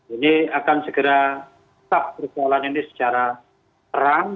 ini akan segera tetap berjalan ini secara terang